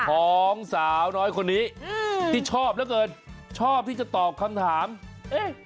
ของสาวน้อยคนนี้อืมที่ชอบเหลือเกินชอบที่จะตอบคำถามเอ๊ะ